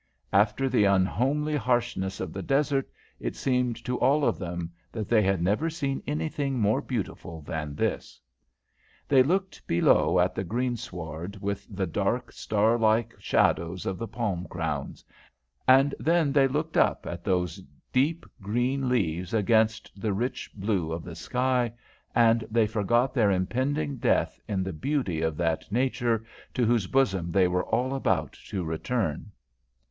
After the unhomely harshness of the desert, it seemed to all of them that they had never seen anything more beautiful than this. They looked below at the greensward with the dark, starlike shadows of the palm crowns, and then they looked up at those deep green leaves against the rich blue of the sky, and they forgot their impending death in the beauty of that Nature to whose bosom they were about to return.